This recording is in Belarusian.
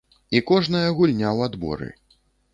І кожная гульня ў адборы.